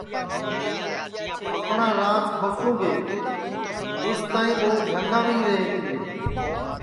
اور اپٹؔا راج کھوسُونگے اُس تائی ٻو جھنگام ہی رہتے تیے